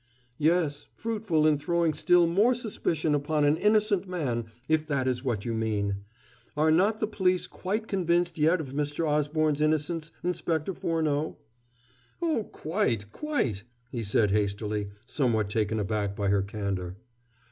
"Yes, fruitful in throwing still more suspicion upon an innocent man, if that is what you mean. Are not the police quite convinced yet of Mr. Osborne's innocence, Inspector Furneaux?" "Oh, quite, quite," said he hastily, somewhat taken aback by her candor.